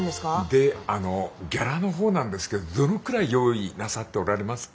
であのギャラの方なんですけどどのくらい用意なさっておられますか？